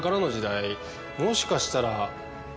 もしかしたら。